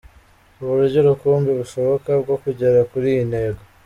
Uburyo rukumbi bushoboka bwo kugera kuri iyi ntego